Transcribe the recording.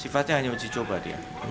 jadi sifatnya hanya mencoba dia